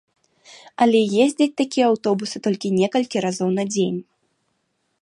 Але ездзяць такія аўтобусы толькі некалькі разоў на дзень.